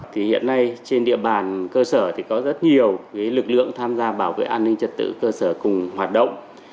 thì hiện nay trên địa bàn cơ sở thì có rất nhiều lực lượng tham gia bảo vệ an ninh trật tự cơ sở cùng hoạt động